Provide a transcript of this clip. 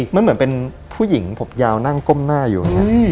มันเหมือนเป็นผู้หญิงผมยาวนั่งก้มหน้าอยู่อย่างนี้